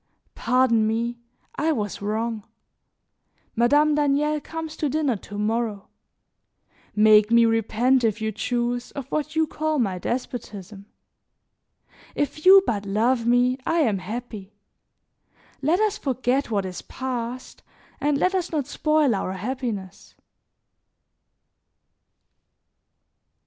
Pardon me, I was wrong. Madame Daniel comes to dinner to morrow; make me repent, if you choose, of what you call my despotism. If you but love me I am happy; let us forget what is past and let us not spoil our happiness."